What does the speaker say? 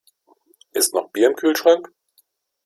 Ist noch Bier im Kühlschrank?